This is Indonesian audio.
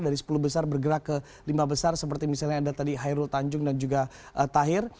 dari sepuluh besar bergerak ke lima besar seperti misalnya ada tadi hairul tanjung dan juga tahir